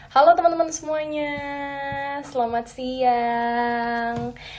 halo teman teman semuanya selamat siang